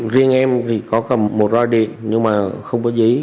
riêng em thì có cầm một roi điện nhưng mà không có giấy